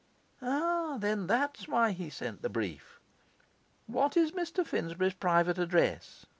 'Then that is why he sent the brief! What is Mr Finsbury's private address?